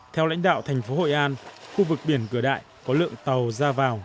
theo lãnh đạo thành phố hội an khu vực biển cửa đại có lượng tàu ra vào